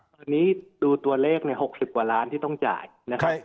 ตอนนี้ดูตัวเลขใน๖๐กว่าล้านที่ต้องจ่ายนะครับ